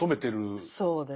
そうですね。